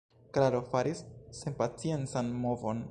Klaro faris senpaciencan movon.